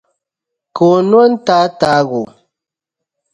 Ka o no n-taataagi o.